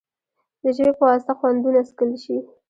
د ژبې په واسطه خوند ونه څکل شي.